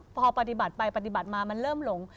พอปฏิบัติไปปฏิบัติมามันเริ่มหลง